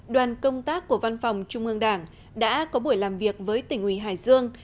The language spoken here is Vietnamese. đoàn công tác của văn phòng trung ương đảng đã có buổi làm việc với tỉnh ủy hải dương